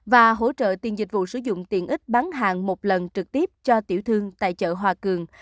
và hỗ trợ tiền dịch vụ sử dụng tiện ích bán hàng một lần trực tiếp cho tiểu thương tại chợ hòa cường